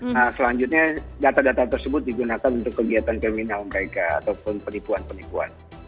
nah selanjutnya data data tersebut digunakan untuk kegiatan kriminal mereka ataupun penipuan penipuan